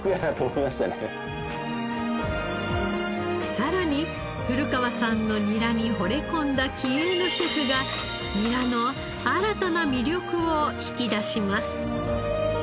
さらに古川さんのニラにほれ込んだ気鋭のシェフがニラの新たな魅力を引き出します。